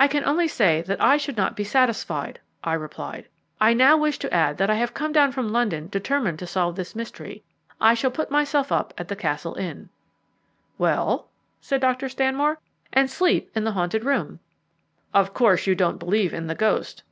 "I can only say that I should not be satisfied," I replied. "I now wish to add that I have come down from London determined to solve this mystery. I shall myself put up at the Castle Inn." "Well?" said Dr. Stanmore. "And sleep in the haunted room." "Of course you don't believe in the ghost."